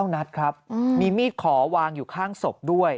นัดครับมีมีดขอวางอยู่ข้างศพด้วย